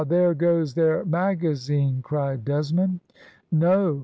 there goes their magazine," cried Desmond. "No!